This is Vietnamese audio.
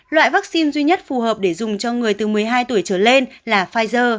loại vaccine duy nhất phù hợp để dùng cho người từ một mươi hai tuổi trở lên là pfizer